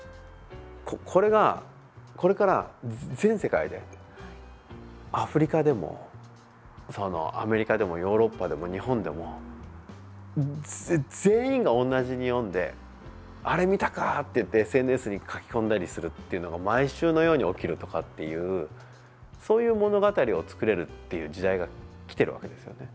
これが、これから全世界でアフリカでも、アメリカでもヨーロッパでも、日本でも全員が同じに読んで「あれ、見たか」っていってＳＮＳに書き込んだりするっていうのが毎週のように起きるとかっていうそういう物語を作れるっていう時代がきてるわけですよね。